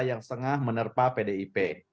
yang sengah menerpa pdip